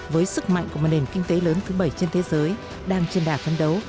với sức mạnh của một nền kinh tế lớn thứ bảy trên thế giới đang trên đà phấn đấu